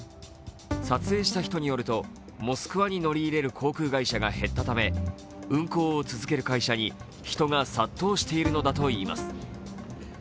撮影した人によるとモスクワに乗り入れる航空会社が減ったため運航を続ける会社に人が殺到しているのだといいます。